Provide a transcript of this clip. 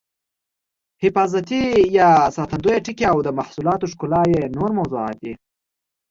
حفاظتي یا ساتندویه ټکي او د محصولاتو ښکلا یې نور موضوعات دي.